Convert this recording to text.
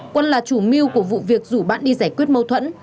quân là chủ mưu của vụ việc rủ bạn đi giải quyết mâu thuẫn